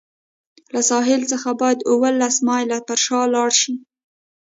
له ساحل څخه باید اوولس مایله پر شا لاړ شي.